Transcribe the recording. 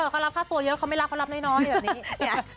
เขารับค่าตัวเยอะเขาไม่รับเขารับน้อยแบบนี้